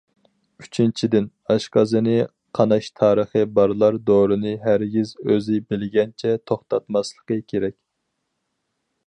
ئۈچىنچىدىن، ئاشقازىنى قاناش تارىخى بارلار دورىنى ھەرگىز ئۆزى بىلگەنچە توختاتماسلىقى كېرەك.